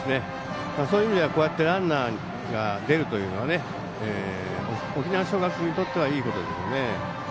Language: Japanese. そういう意味ではランナーが出るというのは沖縄尚学にとってはいいことですよね。